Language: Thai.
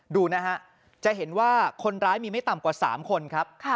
ดูนะฮะจะเห็นว่าคนร้ายมีไม่ต่ำกว่า๓คนครับ